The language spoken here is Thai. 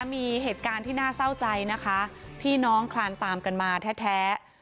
มีเหตุการณ์ที่น่าเศร้าใจนะคะพี่น้องคลานตามกันมาแท้